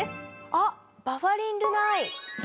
あっバファリンルナｉ！